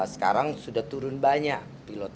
sekarang sudah turun banyak pilot